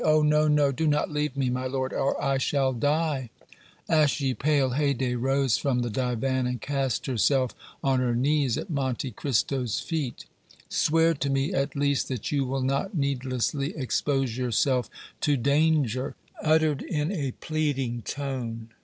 "Oh! no, no; do not leave me, my lord, or I shall die!" Ashy pale, Haydée arose from the divan, and cast herself on her knees at Monte Cristo's feet. "Swear to me, at least, that you will not needlessly expose yourself to danger," she uttered, in a pleading tone.